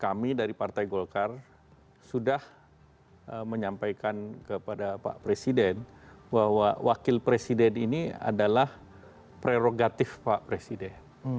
kami dari partai golkar sudah menyampaikan kepada pak presiden bahwa wakil presiden ini adalah prerogatif pak presiden